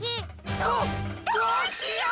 どどうしよう！